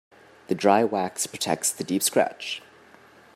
The dry wax protects the deep scratch.